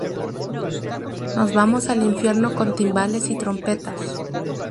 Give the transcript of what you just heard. Nos vamos al infierno con timbales y trompetas.